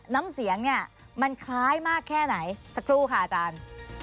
น้ำเสียงเนี่ยมันคล้ายมากแค่ไหนสักครู่ค่ะอาจารย์